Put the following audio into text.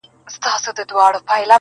په خپل کور کي یې پردی پر زورور دی.!